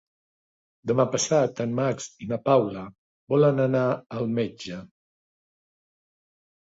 Demà passat en Max i na Paula volen anar al metge.